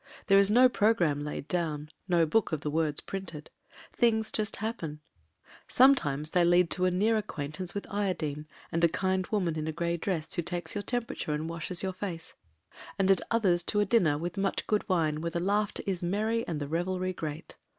There is no programme laid down, no book of the words printed. Things just happen — sometimes they lead to a near acquaintance with iodine, and a kind woman in a grey dress who takes your temperature and washes your face ; and at others to a dinner with much good wine where the laughter is merry and the revelry great.